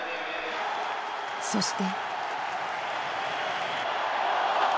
そして。